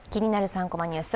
３コマニュース」